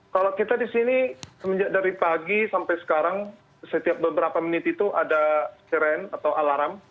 kalau kita di sini dari pagi sampai sekarang setiap beberapa menit itu ada seren atau alarm